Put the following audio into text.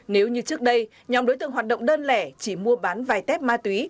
nếu như trước đây nhóm đối tượng hoạt động đơn lẻ chỉ mua bán vài tép ma túy